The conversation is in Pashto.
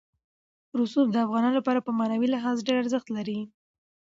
رسوب د افغانانو لپاره په معنوي لحاظ ډېر ارزښت لري.